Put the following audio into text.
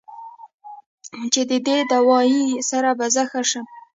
چې د دې دوائي سره به زۀ ښۀ شم